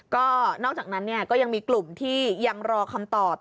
ก็นอกจากนั้นก็ยังมีกลุ่มที่ยังรอคำตอบ